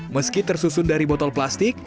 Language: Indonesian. meski tersusun dari botol plastik